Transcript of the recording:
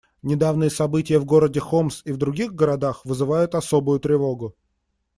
Недавние события в городе Хомс и в других городах вызывают особую тревогу.